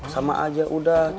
sama aja udah